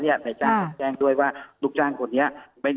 ถ้าเผื่อท่านพยากรได้ว่าท่านจุดตั้งแต่นี้นาน